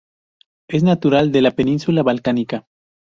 Es natural de la península balcánica.